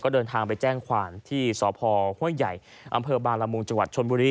เดินทางไปแจ้งความที่สพห้วยใหญ่อำเภอบาลมุงจังหวัดชนบุรี